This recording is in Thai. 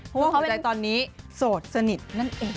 เพราะว่าเข้าใจตอนนี้โสดสนิทนั่นเอง